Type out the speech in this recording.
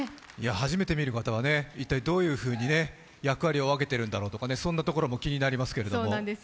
初めて見る方は一体どういうふうに役割を分けているんだろうかと、そんなところも気になりますけれども。